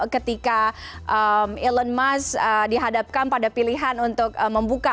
ketika elon musk dihadapkan pada pilihan untuk membuka